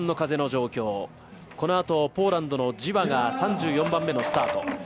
このあとポーランドのジワが３４番目のスタート。